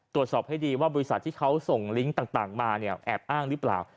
ตรวจสอบให้ดีว่าบริษัทที่เขาส่งลิงก์ต่างมาเนี่ยแอบอ้างหรือเปล่า